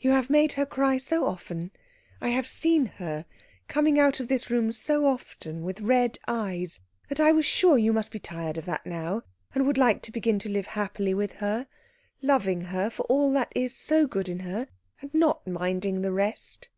You have made her cry so often I have seen her coming out of this room so often with red eyes that I was sure you must be tired of that now, and would like to begin to live happily with her, loving her for all that is so good in her, and not minding the rest."